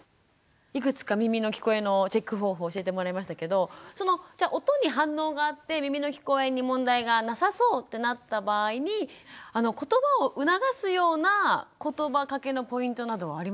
いくつか耳の聞こえのチェック方法を教えてもらいましたけどその音に反応があって耳の聞こえに問題がなさそうってなった場合にことばを促すようなことばかけのポイントなどはありますか？